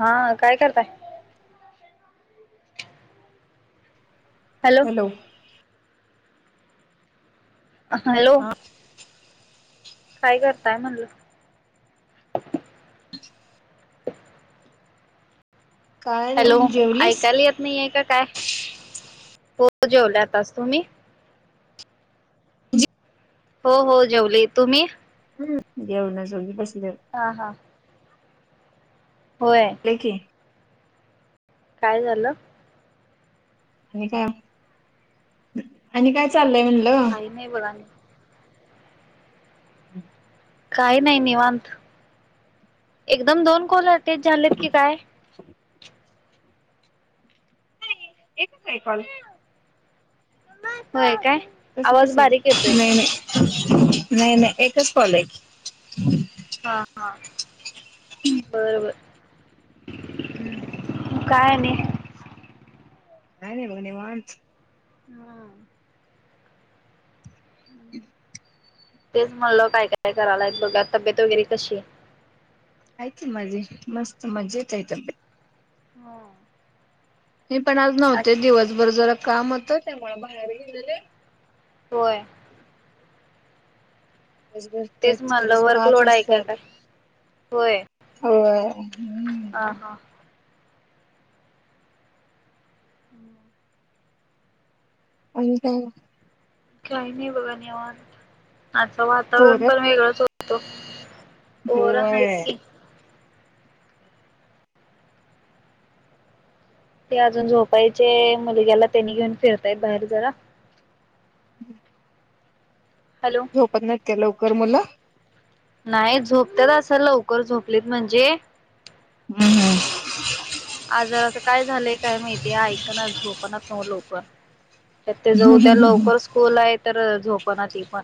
हा, काय करताय? हॅलो? हॅलो? काय करताय म्हणलं? काय हॅलो, नाही जेवलीस ऐकायला येत नाहीये, का काय? हो जेवल आताच, तुम्ही? हो, हो, जेवली तुम्ही? येऊन जाोगी बस [unintelligible] हा, हा. होय नकी [unintelligible] काय झालं? आणि काय? आणि काय चाललं? काई नाई बघा नि हम्. काही नाही निवांत, एकदम दोन कोल्या तेच झाल्यात की काय? नाही, एकच आहे कॉल. होय काय? तस आवाज कस, बारीक येतोय नाही, नाही. नाही, नाही, एकच कॉल हाय की. हा, हा. बर, बर. [inaudible] हं, हं. काय आणि? काय नाही बघ निवांत. हा. [inaudible] तेच म्हणल काय काय करालाय बघुया, तब्येत वगैरे कशी आहे? हाय की मजे मस्त मजेत आहे तब्बे हम. मी पण आज नव्हते दिवसभर जरा काम होतं त्यामुळं बाहेर गेलेले. होय. माझी बस त्या तेच म्हणलं तिकडंच पाच वर्कलोड आहे वाजता का काय आली. होय होय हा हम. हा हम् आणि काय मग काय नाही बघ आणि. निवांत आजचं वातावरण पोरं पण वेगळच हो तो पोरं हाईत होय की. ते अजून झोपायचे मुलग्याला त्यांनी घेऊन फिरतायत बाहेर जरा. हम् हॅलो झोपत नाहीत काय लव कर मुलं? नाही झोपतात असं लवकर झोपलीत म्हणजे हम्म हम्. आज जरासं काय झालंय काय माहिती ऐकनात, झोपणात नव्हं लवकर. त्या ते ज उद्या लवकर स्कूल आहेत तर झोपण त पण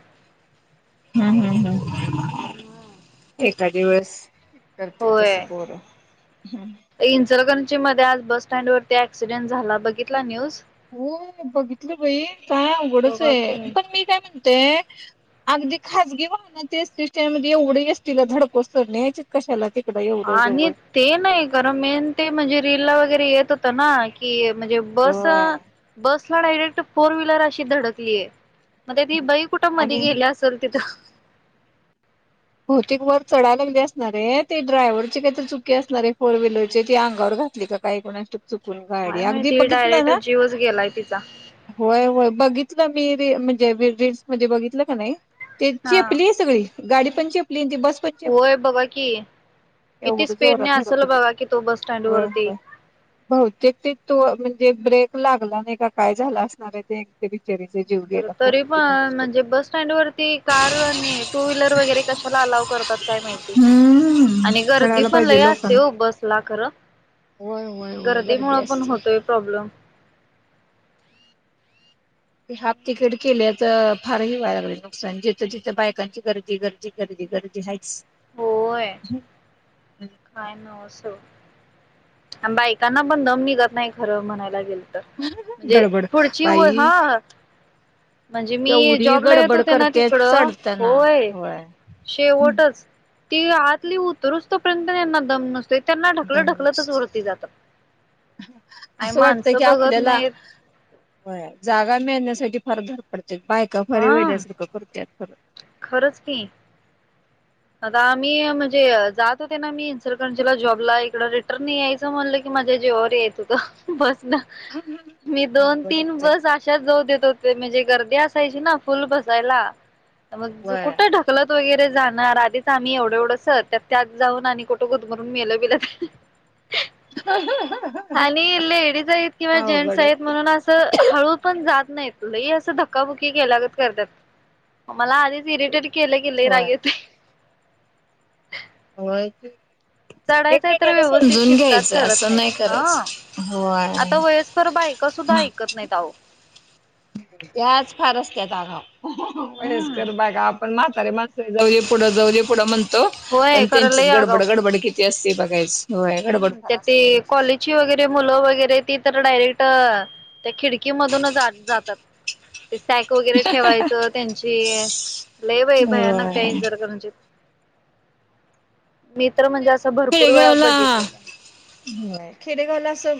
हम् हम् हम् एक दिवस करते तसं होय पोरं हम् कोची मध्ये आज बस स्टँडवरती क्सिडेंट झाला बघितला न्यूज हो बघितलं बई का उघडच बघा आहे की पण मी काय म्हणते ते अगदी खाजगी वाहनाची असतील त्या म एवढं अस तला धडको सर नाही कशाला ते आणि ते नाही कार मेन ते म्हणजे रीलला वगैरे येत ना की म्हणजे बस होय बस रेक्ट फोर व्हीलर अशी धडकली आहे. म ती बाई कुटं मध आणि गेली असेल तिथं भौतिक वर चढायला लागले असणारे ते ड्रायव्हरचे काही तर चुकी असणारे फोर व्हीलरचे ती अंगावर घातली का काही कोणा चु गाडी काय अगदी माहिती बघित ना डायरेक्ट ना जीवच गेलाय तिचा. होयय. बघितलं मी र म्हणजे रीलल््स मध्ये बघितलं का नाही. ते हा चेपली आहे सगळी गाडी पणजे ली ती बसपत चेपली होय बघा की किती एवढ जोरात स्पीडने असेल धडकली बघा की तो बस स्टँड वयय वरती. बहतेक ते तू म्ह जे ब्रेक लागला नाही का काय झाला असणार आहे ते एक खर तरी पण म्हणजे बस स्टँड वरती कार आणि टू व्हीलर वगैरे कशाला अलाव करतात काय माहिती. हम्म आणि गर्दी कळायला पण लय पाहिजे असते लोकांना. हो बसला खर होय होय होय गर्दी मु पण असते. होतोय प्रॉब्लेम ते हाफ तिकीट केल्याच फार ह वय नुकसान जिथं तिथं बायकांची गर्दी गर्दी गर्दी गर्दी हाच होय काय न अस बाईकांना पण दम निघत नाही खरं म्हणायला गेल. म्हणजे गडबड पुढची व बाई हा म्हणजे मी एवढी जॉबला येत गडबड होते ना करते तिकडं चढताना होय शेवटच ती आतली उतरुसतोपर्यंत त्यांना दम नसत. आणि असं वाटत माणसं की बघत आपल्याला नाहीत जागा मिळण्यासाठी वरधार पड बायका फारी हा वेद्यासारखं करतत खरं. खरंच की. आता आम्ही म्हणजे जात होते ना मी इन्सलकंजीला जॉबला इकड रिटर्न नाही यायचं म्हणलं की माझ्या जेवावर येत होतं बस. मी दोन तीन अवघडच आहे बस आशाच जाऊ देत होते. म्हणजे ते असायची ना फुल बसायला. मग व्हय कुठे ढकलत वगैरे. जाणार आण च आम्ही एवढं एवढ स त्यात त्यात जाऊन आणि कुठं गुदमरून मेल बेल त आणि लेडीज आहेत किंवा जेंट्स अवघडच आहेत आहे म्हणून अस हळू पण जात नाही तुला ह अस धक्काबुकी केला करत मला आधीच इरिटेट केले गेले व्हय. रागयेते. होय. चढायचंय तर एकमेकाला व्यवस्थित समजून शिस्तात घ्यायचं चढत असं नाहीत नाही हं करायचं. होय आता वयस्भर बायका सुद्धा ऐकत नाहीत आहो. याच फार असत्यात आगाव. हम्म वयस्कर बायका आपण म्हा तारी माणसं आहे, जाऊया पुढं जाऊदे पुढं म्हणतो. होय पण खरं लय त्यांचीच आगाव गडबड गडबड कि तेच ते बघायचं. हम्म, त्यात ते कॉलेजची वगैरे, मुलं वगैरे ती तर डायरेक्ट त्या खिडकी मधूनच आत जातात. ते सॅक वगैरे ठेवायचं त्यांची, लय बाय भयानक त्या होय. इंजरकरजीत मी तर म्हणजे असं भरपूर वेळा बघित आह होय, खेडेगावला असं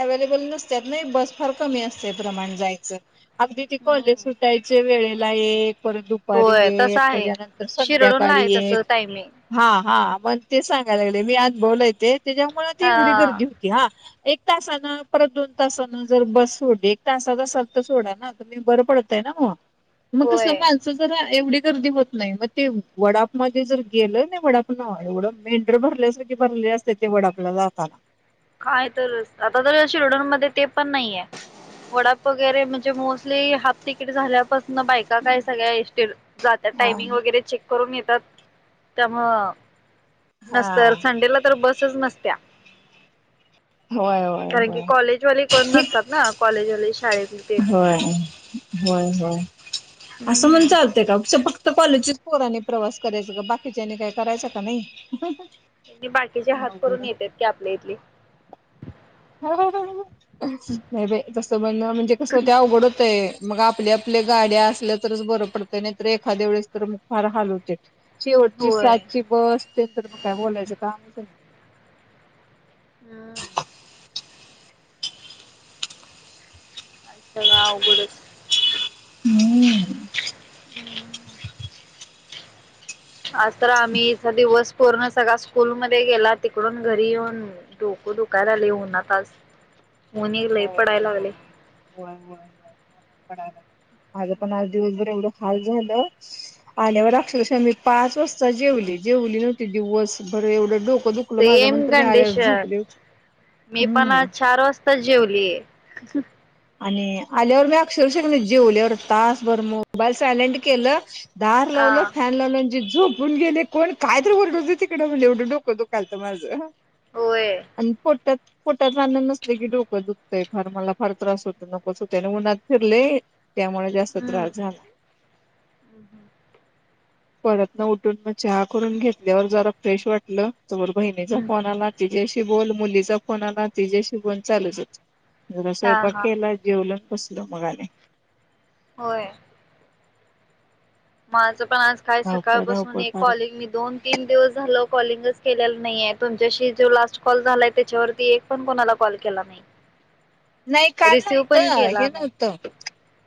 अवेलेबल नसत्यात नाही, बस फार कमी असतंय प्रमाण जायचं. अगदी ती हम्म कॉलेज सुटायच्या वेळेेत लाईक. परत दुपारी होय तसं एक, आहे त्याच्यानंतर शिरडूनला आहे संध्याकाळी एक. तसं टायमिंग हा हा. मग ते सांग यले. मी आज बोलयचे त्याच्यामुळे ती एवढी हा गर्दी होती हा. एक तासानं परत दोन तासानं जर बस सोडली, एक तासाचा असलं तर सोडा ना, तुम्ही बरं पडतय ना मग. मग कसं होय माणसं जरा एवढी गर्दी होत नाय. म ते वडाप मध्ये जर गेलं ना वडापनं एवढं में ढरं मारल्यासारखी असत्यात, त्या वडापला जाताना. काय तरच, आता तर या शिरढोण मध्ये तेपण नाहीये. वडाप वगैरे म्हणजे मोस्टली हाफ तिकीट झाल्या पसणं बायका काय सगळ्या एसटीला जात्यात. हा टाइमिंग वगैरे चेक करून येतात त्यामुळं नसतं हा यार, संडेला तर बसच नसत्या. होय होय कारण की, होय कॉलेजवाले कोण नसतात ना. कॉलेजवाले शाळेत ते होय होय होय. असं म्हणून हम्म चालतय का? शपक त्या कॉलेजच्याच पोरांनी प्रवास करायचा का, बाकीच्यांनी काय करायचा का नाही. बाकीचे हात अवघड करून येत्यात, की आपल्या इथली. [inaudible] नाही बाय तसं म्हणणं म्हणजे कसं होतंय, अवघड होतंय. मग आपल्या आपल्या गाड्या असल्या तरच बरं पडतंय, नाहीतर एखाद्या वेळेस तर मग फार होतंय. शेवटची होय सातची बस ते तर मग काय बोलायचं कामचं नाय. हा. आता सगळं अवघडच. आज तर आम्ही दिवस पूर्ण सगळा स्कूलमध्ये गेला तिकडून घरी येऊन डोक दुकाय लागलय उन्हात आज. उन्ह एक लई होय पडाय की लागलय. पडायलाय, माझ पण आज दिवसभर एवढं हाल झालं आल्यावर अक्षरशा मी पाच वाजता जेवले जेवले नव्हती दिवसभर एवढं डोक सेम कंडीश, मी पण हम्म चार वास ता जेवलीय. आणि आल्यावर मी अक्षरशा कणी जेवल्यावर तासभर मोबाईल सायलेंट केलं दार हा लावल फॅन लावलं जी झोपून गेले कोण कायतरी वरडूदे तीक एवढं डोकं दुकालत माझं. होय आणि पोटात पोटात अन्न नसल की डोकं दुखतंय फार मला फार त्रास होतय नकोच होतय आणि उन्हात फिरले. त्यामुळे जास्त हम्म त्रास झाला. हम्म परत ना उठून म चहा करून घेतल्यावर जरा फ्रेश वाटलं. तवर बहिणीचा फोला तीजशी बोल मुलीचा फोण आला तिजाशि बोल चालूच होत. जरा हा स्वयंपाक हा केला जेवलं. बसलो मग आणि होय. माझं पण आज काय धावपळ सकाळपसून धावपळ एक फारच कॉलिंग मी दोन तीन दिवस झाल कॉलिंगच केल्याल न्हयाय तुमच्याशी जो लास्ट कॉल झालाय त्याच्यावरती एक पण कोणाला कॉल केला नाही. नाही काल रिसिव्ह नव्हत पण हे केला नाही नव्हत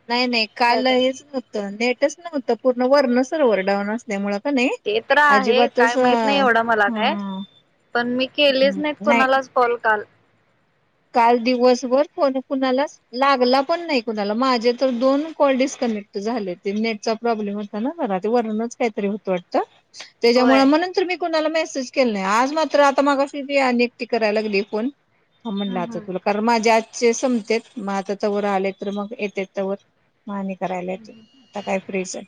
नाही नाही काय काल ते हेच नव्हतं नेट. तेच नव्हतं पूर्ण वर्ण सर्वर डाऊन असल्यामुळ. ते तर आहे काय माहित नाही एवढं मला काय हम्म पण मी केलेच हम्म नाहीत नाही कोणालाच कॉल काल. काल दिवसभर फोन कुणालाच लागला पण नाही कुणाला माझे तर दोन कॉल डिस्कनेक्ट झाले ते नेटचा प्रॉब्लेम होता ना जरा ते वरनच काहीतरी होत वाटत. त्याज्यामुळे होय म्हणून तर मी कोणाला मेसेज केल नाही आज मात्र आता मगशी अनेकएकटी कराय लागली फोन. म्हणल हम्म आता तुला कारण माझे आज से संमतेेत मग आता तवर आले तर मग येतेत तवर म आणि करायला येत हम्म आता काय फ्री च ये.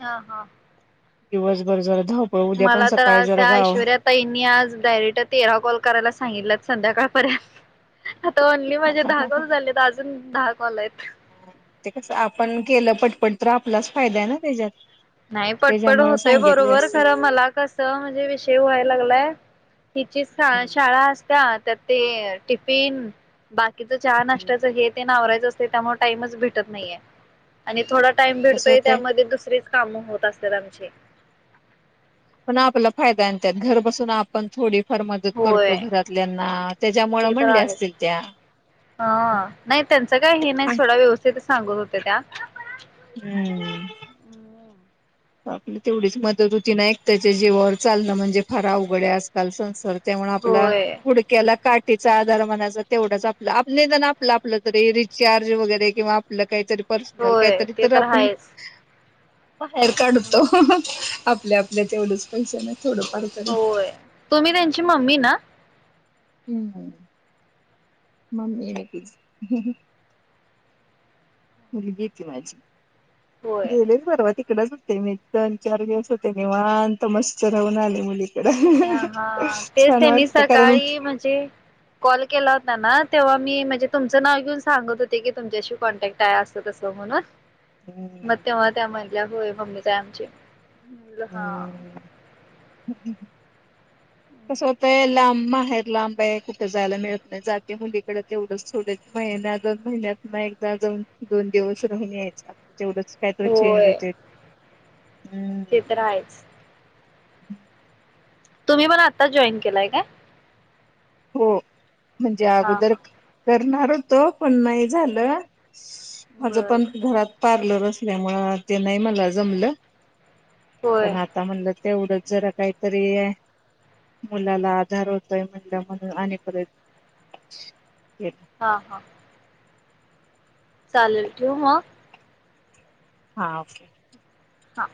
हा हा दिवसभर झ मला तर आज त्या ऐश्वर्या तईंनी आज डायरेक्ट तेरा कॉल करायला सांगितलं संध्याकाळपर्यंत आता ओनली माझे दहा कॉल झालेत. अजून दहा कॉल आहेत. पण तर आपलाच फायदा आहे ना त्याज्यात नाही पटपट होतय बरोबर खरं मला कसं म्हणजे विषय व्हायला लागलाय हिची सा शाळा असत्या त्यात ते टिफिन बाकीचं चहा नाष्ट्याचं हे तेन आवरायचं अस ते त्यामुळ टाईमच भेटत नाहीये आणि थोडा टाईम कसं भेडतोय होतंय त्यामध्ये दुसरीच काम होत असात्यात आमची. पण आपला फायदा हायन त्यात घर बसून आपण थोडी होय त्याच्यामुळे ते तर म्हणल्या आहेच असतील त्या हं नाय त्यांचं काय हे नाय सोडा व्यवस्थितच सांगत होत्या त्या हम्म. हूं आपली तेवढीच मदत होती ना एक त्याच्या जीवावर चालणं म्हणजे फार अवघड आहे आजकाल संसार. त्यामुळ आपला होय गुडक्याला काट तीचा आधार म्हणायचा तेवढाच आपलं आपलं निदान आपलं तरी रिचार्ज वगैरे किंवा आपलं काहीतरी पर्सनल होय काहीतरी ते तर आपण आहेच. अडकढूतो. आपल्या आपल्या तेवढ्याच पैशानं होय. तुम्ही त्यांची मम्मी ना हम्म मम्मी हाय तिची मुलगी ये माझी होय गेलेली परवा ती तिकडेच होते मी दोन चार दिवस होते निवांत मस्त राहून आले मुली अ हा तेच त्यांनी कारण सकाळी म्हणजे कॉल केला होता ना तेव्हा मी म्हणजे तुमचं नाव घेऊन सांगत होते की तुमच्याशी कॉन्टॅक्ट आहे असं तसं म्हणून म तेव्हा त्या म्हण होय मम्मीचं आहे आमची म्हणल हा कसं होतंय लांब बाहेर लांब आहे कुठे जायला मिळत नाही जाते मुलीकडे तेवढंच थोड महिन्या दोन महिन्यात ना एकदा जाऊन दोन दिवस राहून यायचे तेवढंच काहीतरी चेंज होय होते हम्म ते तर आहेच तुम्ही पण आत्ताच जॉईन केलाय काय हो म्हणजे हा अगोदर हा करणार होत पण नाही झालं माझं बरं पण बर घरात पार्लर अस त्यामुळं ते नाही मला जमलं होय पण आता म्हणलं तेवढंच जरा काहीतरी मुलाला आधार होतोय म्हण म्हण आणि परत केलं. हा हा चालेल ठेऊ मग हा ओके हा